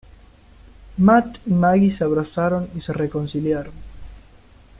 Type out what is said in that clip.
Matt y Maggie se abrazaron y se reconciliaron.